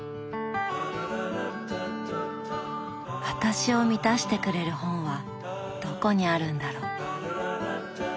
私を満たしてくれる本はどこにあるんだろう。